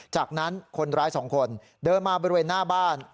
จากนั้นคนร้ายสองคนเดินมาบริเวณหน้าบ้าน